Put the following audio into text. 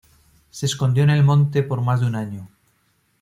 Se escondió en el monte por más de un año.